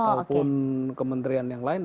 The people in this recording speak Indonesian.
ataupun kementerian yang lain